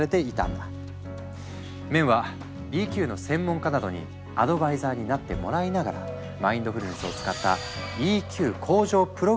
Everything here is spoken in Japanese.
メンは「ＥＱ」の専門家などにアドバイザーになってもらいながらマインドフルネスを使ったＥＱ向上プログラムを開発。